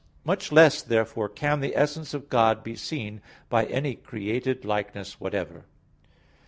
Much less therefore can the essence of God be seen by any created likeness whatever.